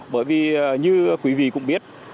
bởi vì như quý vị cũng biết